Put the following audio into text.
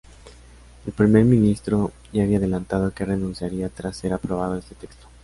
El primer ministro ya había adelantado que renunciaría tras ser aprobado este texto.